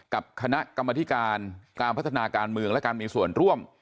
กับคณะกรรมธิการการพัฒนาการเมืองและการมีส่วนร่วม